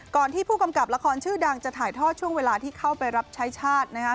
ที่ผู้กำกับละครชื่อดังจะถ่ายทอดช่วงเวลาที่เข้าไปรับใช้ชาติ